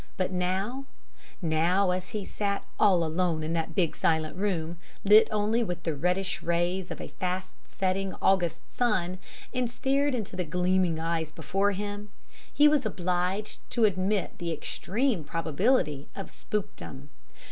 But now, now, as he sat all alone in that big silent room, lit only with the reddish rays of a fast setting August sun, and stared into the gleaming eyes before him he was obliged to admit the extreme probability of spookdom.